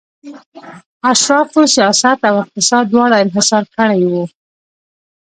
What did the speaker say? اشرافو سیاست او اقتصاد دواړه انحصار کړي وو